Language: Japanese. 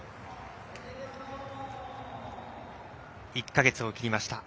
１か月を切りましたＦＩＦＡ